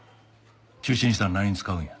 中止にしたら何に使うんや？